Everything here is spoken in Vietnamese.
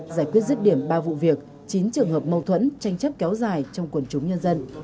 giải quyết rứt điểm ba vụ việc chín trường hợp mâu thuẫn tranh chấp kéo dài trong quần chúng nhân dân